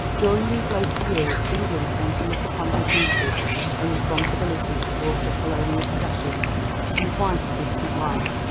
During these later years England came to look upon her duties and responsibilities toward her colonial possessions in quite a different light.